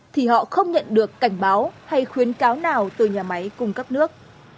thì họ không nhận được cảnh báo hay khuyến cáo nào từ nhà máy cung cấp nước